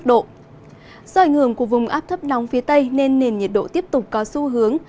do ảnh hưởng của vùng áp thấp nóng phía tây nên nền nhiệt độ tiếp tục có xu hướng